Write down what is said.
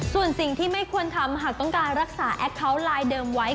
ส่วนสิ่งที่ไม่ควรทำหากต้องการรักษาแอคเคาน์ไลน์เดิมไว้